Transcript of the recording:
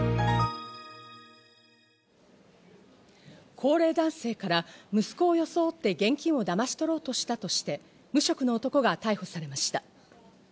高齢男性から息子を装って現金をだまし取ろうとしたとして、無職の男が逮捕されました。